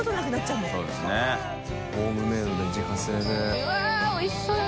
うわっおいしそう！